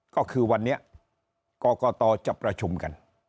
ก็คือวันนี้กรกตจะประชุมกัน